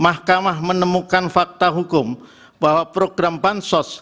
mahkamah menemukan fakta hukum bahwa program bansos